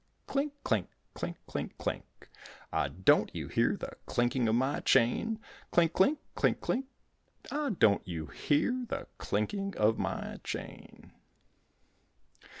Clink, clink, clink, clink, clink, Ah, don't you hear the clinking of my chain? Clink, clink, clink, clink, clink, Ah, don't you hear the clinking of my chain?